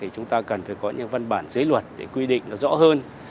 chúng ta cần phải có những văn bản giới luật để quy định rõ hơn